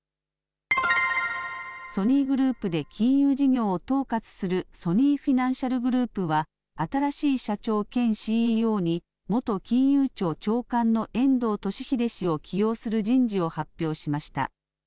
ソニーグループで金融事業を統括するソニーフィナンシャルグループは新しい社長兼ＣＥＯに元金融庁長官の遠藤俊英氏を起用する人事を発表しました。